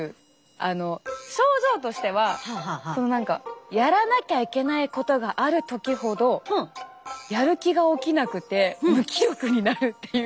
あの症状としてはその何かやらなきゃいけないことがある時ほどやる気が起きなくて無気力になるっていう。